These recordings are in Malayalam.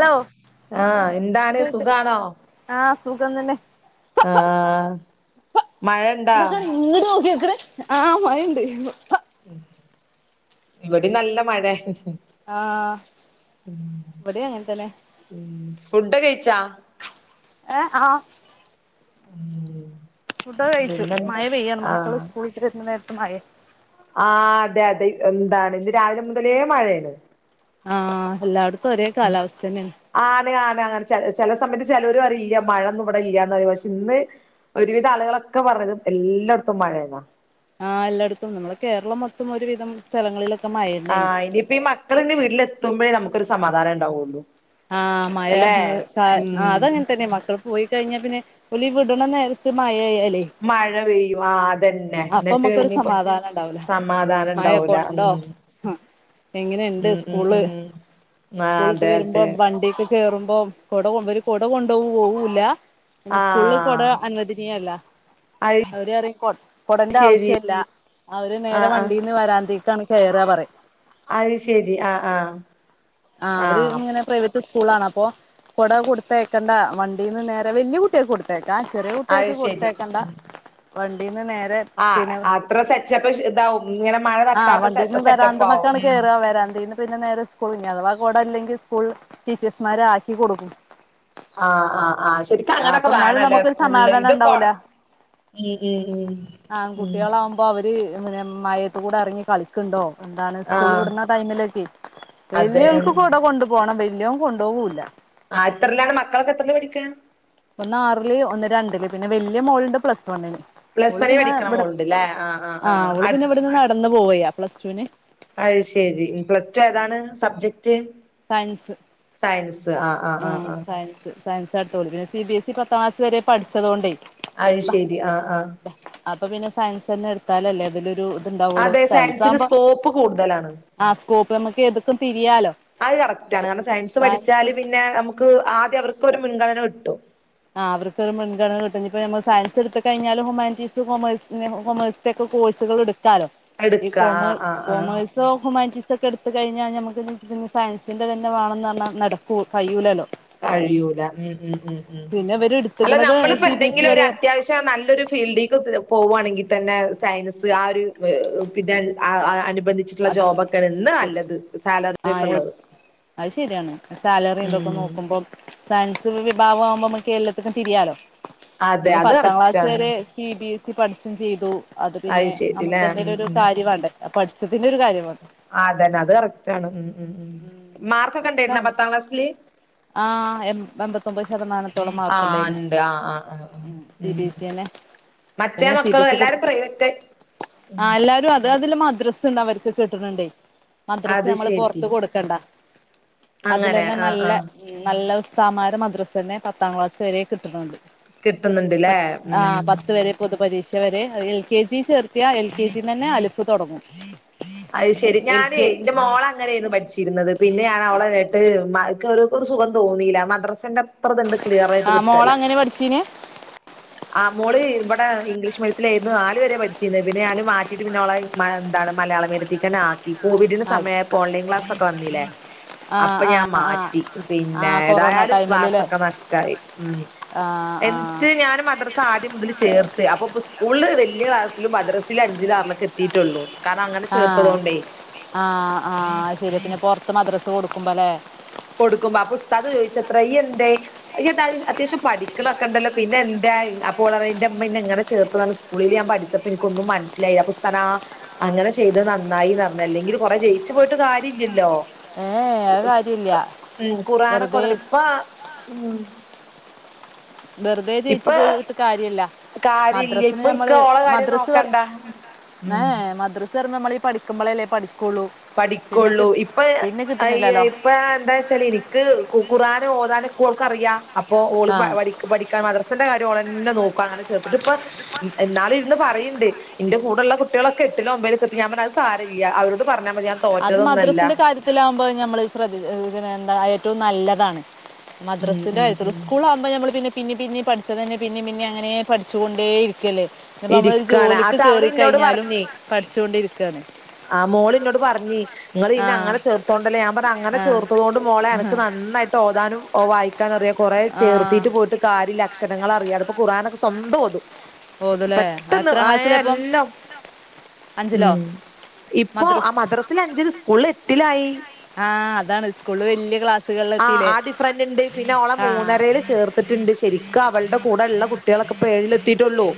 ഹലോ ആഹ് എന്താണ് കേക്ക് സുഖാണോ.. ആഹ് സുഖം തന്നെ ആഹ്ഹ ഹാ മഴ ണ്ടോ.. ഇങ്ങണ്ട് നോക്കിക്ണ് ആഹ് മഴണ്ട്.. ഇവിടിം നല്ല മഴേ.. ആഹ് ഇബടിം അങ്ങതന്നെ.. മ്മ്ഹ്. ഫുഡോകഴിച്ചാ.. ഏ ആഹ്.. ഉ [inaudible] ഫുഡോകെ കഴിച്ചു മഴ പെയ്യാണ് മക്കള് സ്കൂൾട്ട് വരുന്ന നേരത്ത് മയെ.. ആ അതെ അതെ മ്ന്താണ് ഇന്ന് രാവിലെ മുതലേ മഴണ്.. ആഹ എല്ലാടത്തും ഒരേ കാലാവസ്ഥ തന്നെണ്.. ആണ്. ആണ്. അങ്ങനെ ചെ ചെല സമയത്ത് ചെലോരറയും ഇല്ല്യ മഴൊന്നും ഇവിടെ ഇല്ല്യന്ന് റിയും പഷെ ഇന്ന്.. ഒരുവിധം ആളുകളൊക്കെ പറണത് എല്ലാടത്തും മഴേന്നാ. ആഹ് എല്ലടത്തുണ്ട് നമ്മെളെ കേരളം മൊത്തം ഒരുവിധം.. പലസ്ഥലങ്ങളിലൊക്കെ മയെ.. ആ് ഇനിയിപ്പ ഈ മക്കളിനി വീട്ടിൽ എത്തുമ്പോഴേ നമുക്കൊരു സമാധാനം ഉണ്ടാവുള്ളു.. ആഹ് മയ ഹ് കാ അതങ്ങന് തന്നെ മക്കൾക്ക് പോയി കഴിഞ്ഞ പിന്നെ ഒലിവിട്ണ നേരത്ത് മഴയല്ലേ.. മഴ പെയ്യും അതന്നെ ന്നിട്ട് നമ്മക്കൊരു ഞ്ഞിപ്പോ സമാധാനം ഉണ്ടാവൂല സമാധാനം ഇണ്ടാവൂല ഉം ആ എങ്ങനെണ്ട് ഉം ഉം സ്കൂള് ഉം ആ സ്കൂളിട്ട് അതെ വരുമ്പോ അതെ വണ്ടിക്ക് കേറുമ്പോ കൊട കൊണ്ടോ കുട കൊണ്ടുപോവൂല്ല പിന്നെ ആ സ്കൂളിൽ കുട അനുവദനീയമെല്ല അത് അവര്പറയും കുടന്റെ ശരി ആവശ്യല്ല അവര് ആ നേരെ ആ വണ്ടീന്ന് വരാന്തിക്കാണ് കേറാ പറിം അത് ശരി ആ ആഹ് ആ അവരിങ്ങനെ പ്രൈവറ്റ് സ്കൂളാണ് അപ്പൊ കൊട കൊടുത്തെ യിക്കണ്ട വണ്ടീന്ന് നേരെ വല്യ കുട്ടിയാക്ക് കൊടുത്തെക്ക കൊട് തായ്ക്കാം ചെറിയ അത് കുട്ട്യേക്ക് ശരി കൊടുത്തെയിക്കണ്ട വണ്ടീന്ന് നേരെ ആ അത്ര സെറ്റപ്പ് ഇതാവും ഇങ്ങനെ മഴ ആഹ് തട്ടാത്ത സെറ്റ വണ്ടീന്ന് സെറ്റപ്പ് ആവും വരാന്തമക്കാണ് ഉം കേയറ വരാന്തീന്ന് പിന്നെ നേരെ സ്കൂള് ഇനി അഥവാ കോടല്ലെങ്കിൽ സ്കൂൾ ടീച്ചേഴ്സ്മാരാക്കി കൊടുക്കും ആഹ് ആഹ് ശെരിക്കും ആ അങ്ങനെക്കെ അപ്പൊ എന്നാലും വേണല്ലേ നമുക്കൊരു സ്കൂളില് സമാധാനം ഇത് കൊട ഉണ്ടാവൂല ഉം ഉം ഉം ഉം അപ്പോ അവര് പിന്നെ മയേത്ത്കൂടെ ഇറങ്ങി കളിക്കും ണ്ടോ എന്താണ് ആ സ്കൂൾ വിടുന്ന ടൈമിലൊക്കെ അതെ വലിയൾക്ക് കൊട കൊണ്ട് - പോണം വല്യോൻ കൊണ്ടോകൂല്ല ആ എത്രല്ലാണ് മക്കളൊക്കെ എത്രെല് പഠിക്കാ ഒന്ന് ആറില് ഒന്ന് രണ്ടില് പിന്നെ വല്യ മോളുണ്ട് പ്ലസ് വണ്ണിന് പ്ലസ് ഓള് വരെ പിന്നെ പഠിക്കണ ഇവിടെ മോളുണ്ട്ല്ലേ ആ ആ ആ ആഹ് ഓള് പിന്നെ ഇവിട്ന്ന് നടന്ന് പോവയാ പ്ലസ്ടുന് അയ് ശെരി പ്ലസ് ടു ഏതാണ് സബ്ജക്ട് സയൻസ് സയൻസ് ആഹ ആഹ് ആ ആഹ് ആഹ സയൻസ് സയൻസ് യെടുത്തോളൂ പിന്ന സി ബി എസ് ഇ പത്താം ക്ലസ് വരെ പഠിച്ചതോണ്ടേ അയ് ശെരി ആഹ് ആഹ് അപ്പൊ പിന്നെ സയൻസെന്നെ എടുത്താലല്ലേ അതിലൊരു ഇത്ണ്ടാവുള്ളൂ അതെ സയൻസ് സയൻസിന് ആകുമ്പോ സ്കോപ്പ് കൂടുതലാണ് ആ സ്കോപ്പ് നമമ്മക്ക് ഏത്ക്കും തിരിയാലോ അത് കറക്റ്റാണ് കാരണം സയൻസ് പഠിച്ചാല് പിന്നെ നമുക്ക് ആദ്യം അവർക്ക് ഒരു മുൻഗണന കിട്ടും ആഹ അവർക്കൊരു മുൻഗണന കിട്ടും ഇഞ്ഞിപ്പൊ നമ്മ സയസ് ട്ത്തു കഴഞ്ഞാലും ഹുമാൻറ്റീസ് കൊമേഴ് കൊമേഴസ് സ്ന്റെക്കെ കോഴ്സുകൾ എടുക്കാലോ ഈ കോമേഴ്സ് എടുക്ക ആ ആ കോമേഴ്സ് ആ കോമയ്സോ പ്പോ ഹ്യുമാനിറ്റീസോ ക്കെ എടു കഴിഞ്ഞാൽ നമ്മക്ക് ന്ന് വച്ച പിന്നെ സയൻസിൻ്റെന്ന വേണെന്ന് പറഞ്ഞാ നടക്കൂ കയ്യൂലല്ലോ കഴിയൂല ഉം ഉം ഉം ഉം പിന്നെ ഇവര് അല്ല എടുത്തുക്കണത് നമ്മളിപ്പോ സി ബി എസ് എന്തെങ്കിലും ഇ ഒരു വരെ അത്യാവശ്യം പെ നല്ലൊരു ഫീൽഡേക്ക് പോകുവാണെങ്കിൽ തന്നെ സയൻസ് ആ ഒരു പിന്നെ ആ അനുബന്ധിച്ചിട്ടുള്ള ജോബ് ഒക്കെഉള്ള അത് നല്ലത് സാലറി യൊക്കെ യു ആഹ് ള്ളത് അത് ശരിയാണ് സാലറി തൊക്കെ നോക്കുമ്പോൾ സയൻസ് വിഭാഗും ആവുമ്പോ നമ്മക്ക് എല്ലാത്തിനും തിരിയാാലോ അതെ പിന്നെ അത് പത്താം ക്ലാസ് കറക്റ്റാണ് വരെ സി ബി എസ് ഇ പഠിച്ചും ചെയ്തു അത് പിന്നെ ശരില്ലേ നമുക്ക് ഉം എന്തെലൊരു ഉം കാര്യമണ്ടെ ആ പഠിച്ച തിന്റൊരു കാര്യം വാണ്ടേ അ അതന്നെ അത് കറക്റ്റ് ആണ് ഉഉം ഉം ഉം മാർക്കൊക്കെ ണരുന്നോ പത്താം ക്ലാസ്സില് ആ എമ് എൺപത്തൊൻമ്പത് ശതമാനത്തോളം ആ മാർക്കുണ്ടാ യിരുന്നു ഉണ്ട് ആ ആ ആ ആ സി ഉം ബി എസ് എനെ മറ്റേ മക്കള് എല്ലാരും പ്രൈവറ്റ് ഉം ആ എല്ലാരും അത് അതില് മദ്രസ്സുണ്ട് അവർക്ക് കിട്ടണുണ്ടേ മദ്രസ് അത് നമ്മള് പൊർ ശരി ത്ത് കൊടുക്കണ്ട അങ്ങനെ അതിലന്നെ ആ ആ നല്ല ം നല്ല ഉസ്താദ് മാര് മദ്രസന്നെ പത്താം ക്ലാസ് വരെ കിട്ടുന്നുണ്ട്. കിട്ടുന്നുണ്ട്ല്ലേ ം പൊതു പരീക്ഷ വരെ എൽ കെ ജി ചേർത്തിയാ എൽ കെ ജി ന്നന്നെ അലിഫ് തൊടങ്ങും. അയ് ശെരി ഞാനേ എന്റെ മോള നെര്ന്നു പഠിച്ചീര്ന്നത് പിന്നെ ഞാൻ അവളെങ്ട്ട് മക്ക് ഒരു സുഖം തോന്നീല്ല മദ്രസിന്റെ ആഹ മോളെങ്ങനെ പഠിച്ചീന്? ആ മോള് ഇവടെ ഇംഗ്ലീഷ് മേഡിയത്തിലേയിരുന്നു നാല് വരെ പഠിച്ചീന്ന് പിന്നെ ഞാന് മാറ്റിട്ട് പിന്നെ ഓളെ മല എന്താണ് മലയാള മേഡിയ ത്തിക്കന്നേ ആക്കി കോവിഡിന്റെ ആ സമയായപ്പോ ഓൺലൈൻ ക്ലാസൊക്കെ വന്ന്ലേ? ആ അപ്പൊ ആ ഞാ ആ മാറ്റി ആ പിന്നെ കൊറോണ ഏതായാലും ക്ലാസ്സൊക്കെ നഷട്ടായി ം ആഹ് ത് ആഹ് ഞാനും മദ്രസ് ആദ്യം മുതൽ ചേർത്ത് അപ്പൊ ഇപ്പ സ്കൂള് വെല്ല്യ ക്ലാസ്സിലും മദ്രസില് അഞ്ചിലു ആറിലൊക്കെ എത്തിയിട്ടൊള്ളു കാരണം അങ്ങനെ ചേർത്തതോണ്ടേ. ആഹ് ആഹ് അത് ശരി പിന്നെ പൊറത്ത് മദ്രസ് കൊടുക്കുമ്പോ ല്ലേ? കൊടുക്കുമ്പ അപ്പൊ ഉസ്താദ് ചോയ്ച്ചത്ര യ്യ് എന്തേ ഇയ്യ് എതായി അത്യാവശ്യം പഠിക്ക്ണൊക്കെണ്ടല്ലോ പിന്നെ എന്തായ് അപ്പോൾ ഓളറിയ ന്റെ മ്മ ഇന്നേ ഇങ്ങനെ ചേർത്തതാണ് സ് സ്കളില് ഞാൻ പഠിച്ചപ്പോ ഇൻക്കൊന്നും മൻസിലായില്ല ഉസ്താ അങ്ങനെ ചെയ്തത് നന്നായീന്ന്റി അല്ലെങ്കില് കൊറെ ജയിച്ച് പോയിട്ട് കാര്യല്ലലോ. ഏ അ് അത്കാര്യല്ല. ം ഖുർആനൊക്കെ ഓത്ണ്ട് ഇപ്പ ം വെറുതെ ജയിച്ചു പോയൂറ്ഞ്ട്ട് കാര്യല്ല. കാര്യല്ല മദ്രസിന് ഇപ്പൊ ഞമ്മള് ഇക്ക് ഓളെ കാര്യം മദ്രസ് പറ നോക്കണ്ട ഏ ഉം മദ്രസ് പറിമ്പോ നമ്മള് ഇ പഠിക്കുമ്പളല്ലേ പഠിക്കൊള്ളൂ. പഠിക്കൊള്ളൂ ഇപ്പ അയ്യേ ഇപ്പഴാ എന്താച്ചാല് ഇ ക്ക് ഖുർആനോതാനൊക്ക ഓൾക്കറിയ അപ്പൊ ഓള് ആ പ പഠി പഠിക്കാം മദ്റസിന്റെ കാര്യംഓളെന്നെ നോക്കു അങ്ങനെ ചേർത്തിട്ട്. ഇപ്പം ന്നാളിര്ന്ന് പറയ്ണ്ട് ഇന്റെ കൂടെള്ള കുട്ടികളക്കെ എട്ടിലോ ഒമ്പേലൊക്കെ എത്തി ഞാൻ പറഞ്ഞു അത് സാരല്ല്യ അവരോട് പറഞ്ഞാ മതി അത് തോറ്റതൊന്നല്ല മദ്രസിന്റെ കാര്യത്തിലാകുമ്പോ ഞമ്മള് ശ്രദ്ധി പിന്നെ എന്താ ഏറ്റവും നല്ലതാണ്. ഉം മദ്രാസിന്റെ ഉം എതിറ് ഉം സ്കൂളാ പ്പ നമ്മള് പിന്നിം പിന്നിം പിന്നിം പഠിച്ചതന്നേ പിന്നിം പിന്നിം അങ്ങനേ പഠിച്ചുകൊണ്ടേ ഇരിക്കല്ലേ? ഇപ്പോ നമ്മളൊരു ഇരിക്കാണ് ജോലിക്ക് ആട്ട് അവള് കേറി ഇന്നോട് കഴിഞ്ഞാലും പറഞ്ഞ് പഠിച്ചോണ്ടിരിക്കാണ്. ആ മോള് ഇന്നോട് പറഞ്ഞേയ്. ഇങ്ങള് ആ ഇന്ന അങ്ങനെ ചേർത്തോണ്ടല്ലേ ഞാൻ പറ അങ്ങനെ ചേർത്തതോണ്ട് മോളെ അനക്ക് നന്നായി ട്ടോഓതാനും ഓ വായിക്കാനറിയാം കുറേ ആ ചേർത്തീട്ട് പോയിട്ട് കാര്യല്ല അക്ഷരങ്ങളറിയാതപ്പൊ ഖുർആനൊക്കെ സ്വന്തം ഓതും. ഓതല്ലേ പെട്ടെന്ന് എത്രാം ആയേ ക്ലാസ്സിലപ്പം എല്ലാം അഞ്ചിലോ ം ഇപ്പോ ആ മദ്രസ് മദ്രസില് അഞ്ചില് സ്കൂളാല് എട്ടിലായി. ആഹ് അതാണ് സ്കൂള്ല വെല്ല്യ ക്ലാ ആഹ് ആ ഡിഫ്രൻ്റ്ണ്ട് പിന്നെ ഓളെ ആ മൂന്നരേല് ചേർത്തിട്ട്ണ്ട് ശരിക്ക അവൾടെ കൂടെള്ള കുട്ട് കുട്ട്യേളൊക്കെപ്പ ഏഴിലെത്തിയിട്ടൊള്ളൂ.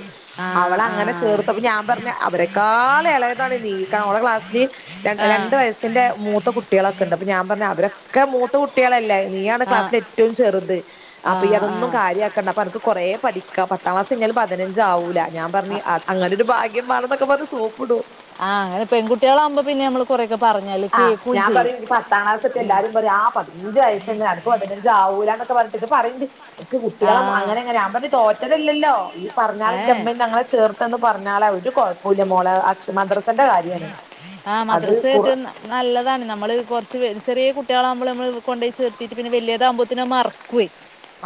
ആ അവള ആ അങ്ങനെ ചേർത്തപ്പം ഞാൻ പറഞ്ഞ് അവരെേക്കാള് എളേതാണ് നീ കാ ഓളെ ക്ലാസ്ല്. ര ആ ആ രണ്ട് വയസ്സിന്റെ മൂ ത്ത കുട്ട്യാളൊക്കെണ്ട് അപ്പൊ ഞാൻ പറഞ്ഞു അവരൊക്കെ മൂത്ത കുട്ട്യാളല്ലേ. നീയാണ് ക്ലാസ്സല് ആ എറ്റവും ചെറുത്. അപ്പംഇയ്യ് ആ അതൊന്നും കാര്യാക്കണ്ട അപ്പ അനക്ക് കുറെേ പഠിക്ക പത്താം ക്ലാസ് കഴിഞ്ഞാലും പതിനഞ്ചആവൂല ഞാൻ പറഞ്ഞ് അ അങ്ങനെ ഒരു ഭാഗ്യം മാണന്നൊക്കെ പറഞ്ഞ് സോപ്പ്ടും. ആഹ് അങ്ങനെ പെൺകുട്ടികളാവുമ്പോ പിന്നെ ഞമ്മള് കൊറേക്കെ പറഞ്ഞാല് ആഹ് കേകും ഞാൻ ചെയ്യും ഉം. അഞ്ച് വയസിന്ന് അണക്കു പതിനഞ്ചാവൂലന്നൊക്കെ പറഞ്ഞിട്ട്ണ്ട് പറയണ്ടി ഇക്ക് ആ കുട്ട്യേളൊന്നും അങ്ങനെ ഇങ്ങനെ ഞാൻ പറഞ് തോറ്റതല്ലല്ലോ ഈ പറഞ്ഞാള് ഏ ഇന്റെമ്മന്നേ ഞങ്ങളെ ചേർത്തന്ന് പറഞ്ഞാള ഒരു കൊഴപ്പുയില്ല മോളെ. ക്ഷ മദ്രസന്റെ കാര്യാണ് ആ അത് മദ്രസ ഖുർ ഏറ്റവും ന- നല്ലതാണ് നമ്മള് കുറച്ച് വെൽ ചെറ്യേ കുട്ട്യേളാകുമ്പള് നമ്മള് കൊണ്ടയ് ചേർത്തീട്ട് പിന്നെ വെല്ല്യതാവുമ്പോത്തിനു അത് മറക്കുവേ.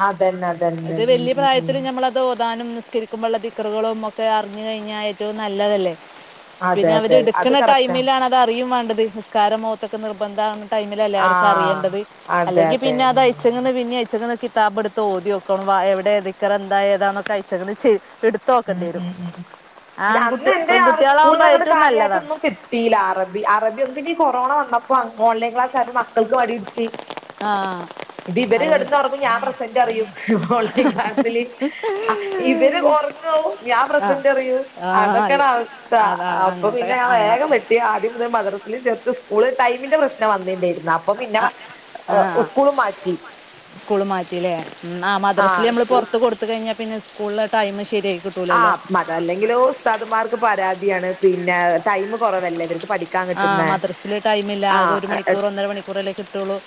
അതന്നെ അ അത് വെല്ല്യ പ്രായത്തില് ഞമ്മള തോതാനും നിസ്കരിക്കുമ്പള്ള ദിക്കറ്കളും ഒക്കെ അറിഞ്ഞ് കഴിഞ്ഞാൽ ഏറ്റവും നല്ലതല്ലേ. അതെ പിന്നെ അതെ അത് അവര്ട്ക്ണ കറക്റ്റാ ടൈമിലാണ് അതറിയും മാണ്ടത് നിസ്കാരം ഒതൊക്കെ നിർബന്ധആണ ടൈമിലല്ലേ അവർക്ക് ആഹ് അറിയേണ്ടത്. അതെ അല്ലെങ്കി അതെ പിന്നെ അത് ഉം അയ്ച്ചങ്ങന്ന് പിന്നീം അയ്ച്ചങ്ങന്ന് കിത്താബ് ഇട്ത്ത് ഓത്യോ തും വായഎവ്ടെ ദിക്റ് എന്താ ഏതന്നൊക്കെ അഴിചങ്ങത് ഇട് ഉം ഉം ഉം ഉം. പിന്നെ അന്ന് എന്തേ ആവം പെൺകുട്ടികളാവുമ്പോൾ സ്കൂൾന്നങ്ങട് ഏറ്റവും നല്ലതാണ് കാര്യായിട്ടൊന്നും കി ട്ടീല അറബി അറബി [unintelligible] ഈ കൊറോണ വന്നപ്പം ഓൺലൈൻ ക്ലാസായപ്പൊ മക്കൾക്ക് മടി പിടിച്ച്‌ ആഹ് ഇത് ഇവര് കിടന്നൊറങ്ങും ഞാൻ പ്രസന്റ് പറയും ഓൺലൈൻ ക്ലാസ്സില് അ ഇവര് ഒറങ്ങും ഞാൻ ആ പ്രസന്റ് പറയും ആ അതൊക്കേ അല്ല ണവസ്ഥത അവസ്ഥ അതാ അപ്പൊ പിന്നെ അങ്ങനത്തെ ഞാൻ അന്ന വേഗം വെ ആദ്യം മുതല് മദ്രസ്ല് ചേർത് സ്‌കൂള് ടൈമിന്റെ പ്രശ്നം വന്നില്ലേ ര് ന്നോ അപ്പൊ പിന്നെ ഉസ്ക്കൂളും മാറ്റി സ്കൂള് മാറ്റില്ലേ ഹ് ന്ന ആ മദ്രസില്നമ്മള് സ്കൂ പൊറത്ത് കൊടു കഴിഞ്ഞാ പിന്നെ സ്കൂളിലെടൈം ശരിയാ ആഹ് പ്പം അതെല്ലെങ്കിലും ഉസ്താദുമാർക്ക് പരാതിയാണ് പിന്നെ ടൈമ്കുറവല്ലെ ഇവർക്ക് പഠി ആഹ് മദ്രസില് ടൈമില്ല ആകെ ഒരു മണിക്കൂറ് ഒന്നര മണിക്കൂറല്ലേ കിട്ടൊള്ളൂ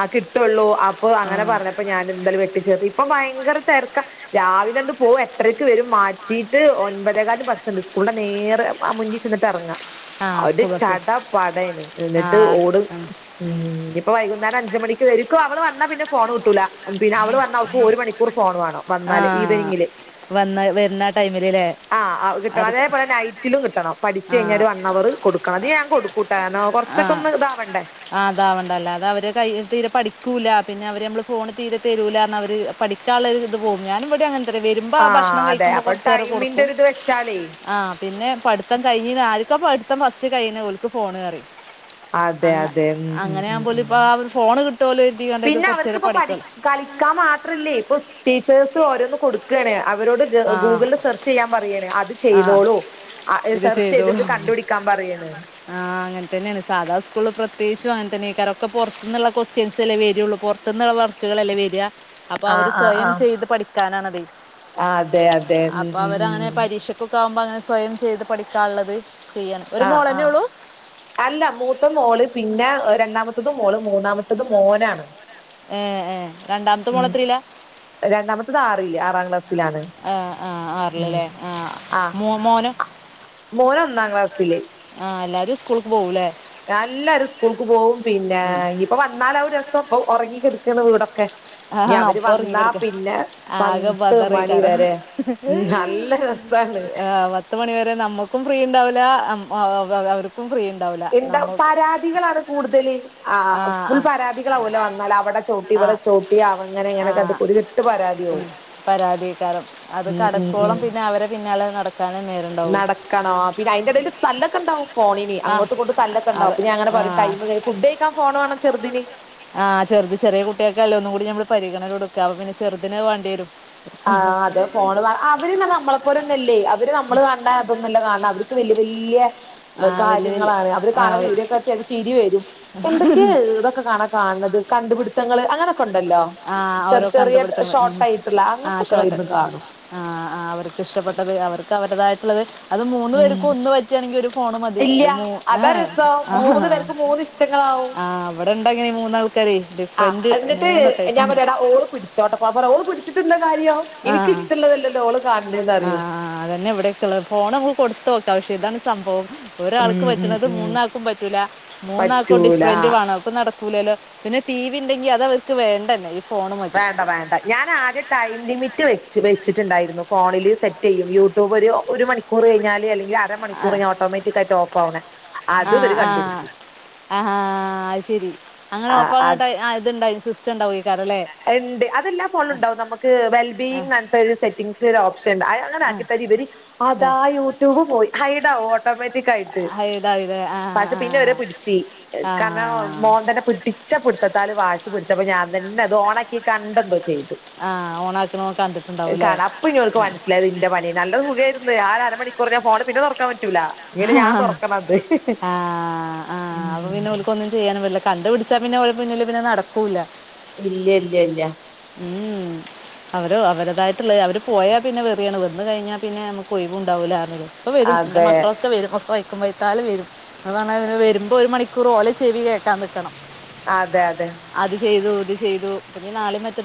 ആഹ് കിട്ടള്ളൂ അപ്പൊ അങ്ങനെ പറഞ്ഞപ്പോ ഞാൻ ഇന്നലെ വെട്ടിച്ചേർത്തി ഇപ്പൊ ഭയങ്കര തിരക്കാ രാവിലണ്ട് പോകും എട്ടരക്ക് വെരും മാറ്റീട്ട്ഒൻപതേകാല്ന് ബസ്ണ്ട് സ്കൂളിന്റെ നേരെ ആ മുന്നീ ചെന്നിട്ടെറങ്ങാ ആ ഒര് സ്കൂൾ ബസ് ചട പടേണ് ആ ഇന്ന്ട്ട് ഓട് ഉം അപ്പൊ വൈകുന്നേരം അഞ്ചു മണിക്ക് [unintelligible] അവള് വന്നാ പിന്നേ ഫോണു കിട്ടൂല പിന്നെ അവള് വന്നാ അവക്ക് ഒരു മണിക്കൂർ ഫോൺ വേണം ആ വന്നാല് ഈവനിങ്ങില് വന്ന വരുന്ന ടൈമിലല്ലേ ആഹ് കിട്ടണം അത് ക- അതേപോലെ നൈറ്റിലും കിട്ടണം പഠിച്ചു ആ കഴിഞ്ഞൊരു വണ്ണവറ് കൊടുക്ക്ണത് ഞാൻ കൊട്ക്കുട്ടാ ഞാ കൊറ്ച്ചൊക്ക ഒന്ന് ഇതാവണ്ടെ ആഹ് ആതാവണ്ടല്ല അതവര് കൈ തീരെ പഠിക്കൂല പിന്നെ അവര് നമ്മള് ഫോണ് തീരെ തരൂലാന്ന് അവര് പഠി ചള ഇത് പോവും ഞാനും ഇവിടി അങ്ങനെ വരുമ്പോ ആ ആഹ് ഭക്ഷണം അതെ കഴിക്കുമ്പോ അപ്പൊ കൊറച്ചേരം ടൈമിന്റെ കൊട്ക്കും ഒരു ഇത് വെച്ചാലേ ആഹ് പിന്നെ പഠിത്തം കഴിഞ് ആർക്കാ പഠിത്തം ഫസ്റ്റ് കഴിയണ് ഓൽക്ക് ഫോണ്ന്നറയും അതെ അങ്ങ അതെ ഉം ഉം അങ്ങനെ ഉം ഉം ആവുമ്പോളിപ്പം അവര് ഫോണ് കിട്ടുല്ലോ കര്തിയോണ്ട് പിന്നെ കൊറച്ചേരം അവർക്കിപ്പോ പഠി ക്കും കളിക്കാൻ മാത്രല്ലേ ഇപ്പൊ ടീച്ചേഴസ് ഓരോന്ന് കൊടുക്കാണ് അവരോട് ആ ഗൂഗ്ള്സെർച്ച് ചെയ്യാന് പറയാണ് അത് ആ ചെയ്തോളൂ ആഹ് ഇത് എസെർച്ച് ചെയ്തിട്ട് കണ്ടുപിടിക്കാൻ പറയാണ് ആഹ് അങ്ങൻതന്നെണ് സാധാ സ്‌കൂൾല് പ്രിത്രേകിച്ചു അങ്ങൻതന്നെക്കാരം ഒക്ക പൊർത്ത് ന്ന്ള്ള കൊസ്‌റ്റ്യൻസല്ലേ വെരൊള്ളൂ പൊർ ത്തൂന്നുള്ള വർക്കുകളല്ലേ വര്വാ അപ്പോ അവര് ആഹ് ആഹ് സ്വയം ചെയ്ത് പഠിക്കാനാണത് ആഹ് അതെ അതെ ഉം ഉം ഉം പ്പൊക്കാവുമ്പങ്ങനെ സ്വയം ചെയ്ത് പഠിക്കാള്ളത്. ആഹ് ആഹ് അല്ല മൂത്ത മോള് പിന്നെ രണ്ടാമത്തെതും മോള് മൂന്നാമത്തത് മോനാണ് ഏഹ് ഏഹ് രണ്ടാമത്തെ ഉം മോളെത്രീലാ രണ്ടാമത്തത് ആറില് ആറാം ക്ലാസ്സിലാണ് ആഹ് ആഹ് ഉം ആർൽലേ ആഹ് മോ മോനോ മോനൊന്നാം ക്ലാസ്സില് ആഹ് എല്ലാരു സ്കൂൾക്ക് പോവുലെ അഹ എല്ലാരരും സ്കൂൾക്ക് പോവും പിന്നെ ഇനിയിപ്പൊ വന്നാലാവും രസം ഇപ്പൊ ഒറങ്ങിക്കെടുക്കാണ് വീടൊക്കെ ആ ഇനി അവര് അപ്പോൾ വന്നാ ഉറങ്ങിക്കിടക്കുക പിന്നെ ആകെ പത്ത് ബദറി മണി വരെ കാരണം ഉം നല്ല രസാ- ആ, [unintelligible] പത്ത് മണിവരെ നമ്മക്കും ഫ്രീ ഇണ്ടാവൂല അം അവ- ക്കും ഫ്രീ ഇണ്ടാവൂല എന്താ പരാതികളാണ് കൂടുതല്. ആഹ് ആ ആഹ് ആ ഫുൾ പരാതികളാവൊലെ വന്നാൽ അവടെ ചൗട്ടി ആ ഇവടെ ചൗട്ടി അവ ഇങ്ങനെ ഇങ്ങനൊക്കെ ഒരു കെട്ട് പരാത്യാവും പരാതേക്കാരം അത് ഉം കടക്കോളം പിന്നെ അവരെ പിന്നാലെ നടക്കാനെ നേര- നടക്കണോ പിന്നെ അയിൻ്റടേല് തല്ലക്കണ്ടാവും ഫോണിന് ആ അങ്ങോട്ടിങ്ങോട്ടും തല്ലൊക്കണ്ടാവും അത് പിന്നെ ഞാനങ്ങനെ ആ പറയും ടൈമ് ഫുഡയ്ക്കാ ഫോണ് വാണ ചെർദിന്. ആഹ് ചെറുത് ചെറീ കുട്ടീക്കല്ലെ ഒന്നുംകൂടി നമ്മള് പരിഗണന കൊട്ക്ക അപ്പൊ പിന്നെ ചെറ്തിന് അയ് വേണ്ട്യേരും ആഹ് അതെ ഫോണ് അവര്ന്ന് നമ്മളെപ്പോലന്നല്ലെ അവര് നമ്മള് അർഞ അതൊന്നല്ല കൺണെ അവർക്ക് വെല്യാ വെല്യാ ആ വലിയ വലിയ കാര്യങ്ങളാണ് അവര് ആ കാണണ വെ- വീഡിയൊക്ക ചെല- ചിരി വരും എന്തൊക്കെ ഇതൊക്കെ കാണാ കാണ്ണത് കണ്ട്പിടുത്തങ്ങള് അങ്ങനൊക്കെ ഉണ്ടല്ലൊ ആ ചെർ ഓരോ ചെറിയ കണ്ടുപിടുത്തങ്ങൾ ഷോർട്ടായിട്ടുള്ള അങ്ങ ആഹ് ആഹ് അവർക്ക് ഇഷ്ടപ്പെട്ടത് അവർക്ക് അവരുടേതായിട്ടുള്ളത് അത് മൂന്ന് ഉം പേർക്കും ഒന്ന് പറ്റാണെങ്കി ഒരു ഫോണ് മതി ഇല്ല ഇത് മൂ അതാ ഏഹ് രസം ആഹാ മൂന്ന് പേർക്ക് മൂന്ന് ഇഷ്ടങ്ങളാവും. ഇവിടെണ്ടെങ്ങനെ ഈ മൂന്നാൾ ക്കാരേ ആഹ് എന്നിട്ട് ഞാൻ പറയും എടാ ഓള് പിടി ച്ചോട്ടേ പ്പാ പറ്യാ ഓള് പിടിച്ചിട്ടെന്താ കാര്യോ എനിക്കഷ്ടള്ളതല്ലല്ലോ ഓള് കാണ്‌ണേന്ന് പറയും ആഹ് അതന്നെ ഇവിടെയൊക്കെള്ളത് ഫോണമ്മക്ക്‌ കൊടുത്തു നോക്കാം പക്ഷെ ഇതാണ് സംഭവം. ഒരാൾക്ക് ഉം ഉം പറ്റണത് ഉം മൂന്നാൾക്കും പറ്റൂല്ല മൂന്നാൾക്കും പറ്റൂല ഡിഫറൻറ് വേണം. ഇപ്പ നടക്കൂലല്ലോ. പിന്നെ ടി വി ഇണ്ടെങ്കി അത് അവർക്ക് വേണ്ടന്നെ. വേണ്ട വേണ്ട. ഞാൻ ആദ്യം ടൈം ലിമിറ്റ് വെച്ച് വെച്ചിട്ടുണ്ടായിരുന്നു ഫോണില് സെറ്റ് ചെയ്യും യൂട്യൂബ് ഒരു ഒരു മണി ക്കൂറ് കഴിഞ്ഞാല് അല്ലെങ്കി അര മണിക്കൂറൈഞ്ഞാ ഓട്ടോമാറ്റിക്കായിട്ട് ഓഫാവ്ണെ. അതും ആഹ് ഇവര് ആഹ് കണ്ടുടിച്ചു. ആഹാ അയ് ശരി. അങ്ങനെ ആ ആ ഓഫാവ്ണെ ടൈ ആഹ് ഇത്ണ്ടായി സിസ്റ്റം ഉണ്ടാവോയിക്കാരം ല്ലേ. അത്ണ്ട്. അതെല്ലാ ഫോണിലും ഉണ്ടാവും നമുക്ക് വെൽ ബീയിങ്ങ് ന്നറഞ്ഞിട്ടൊരു സെറ്റിങ്സിൽ ഒരു ഓപ്ഷൻ ഉണ്ട്. അത് ങ്ങനാക്കിട്ടാ ഇവര് അതാ യൂട്യൂബ് പോയി ഹൈഡാവും ഓ ട്ടോമാറ്റിക് ആയിട്ട് ആഹ് ഇതായില്ലേ ആഹ് പക്ഷെ പിന്നെ ആഹ് ഓരെത് പിടിച്ച് കാരണം ആഹ് മോൻ തന്നെ പിട്ടി ച്ച പിടുത്തത്താല് വാശി പിടിച്ചപ്പോ ഞാൻ തന്നെ അത് ഓണാക്കി കണ്ടന്തോ ചെയ്ത്. ആഹ് ഓണാക്കണ കണ്ടിട്ടുണ്ടാവൂല്ലേ കാണ അപ്പൊ ഇനി ഓല്ക്ക് ആഹ് മനസ്സിലായത് ഇന്റെ പണി നല്ല സുഖേര്ന്ന് ആ ഒരരമണിക്കൂറയ്ഞ്ഞാ ഫോണ് പിന്നെ തുറക്കാൻ പറ്റൂല്ല. ആഹ് ആഹ് ആഹ് അപ്പൊ പിന്നെ ഉം ഓൽക്കൊന്നും ചെയ്യാനും പറ്റൂല്ല. കണ്ടു പിടിച്ചാ പിന്നെ ഓലെ മുന്നില് പിന്നെത് നടക്കൂല്ല. ഇല്ലല്ലല്ല. ഉം ഹും അവരോ അവരതായിട്ടുള്ള അവര് പോയാ പിന്നെ വെറിയാണ് വന്ന് കഴിഞ്ഞാ പിന്നെ നമുക്ക് ഒയിവുണ്ടാവൂലാർഞ്ഞില്ലെ. ഇപ്പ വരും ന്റെ അതെ മക്കളൊക്കെ വരും. ഒക്ക വൈ യ്ക്കും വയ്ത്താലെ വരും. അതാണവര് വരുമ്പോ ഒരു മണിക്കൂർ ഓലെ ചെവി കേക്കാൻ നിക്കണം. അതെ അതെ അത് ചെയ്തു ഇത് ചെയ്തു പിന്നെ നാളേം മ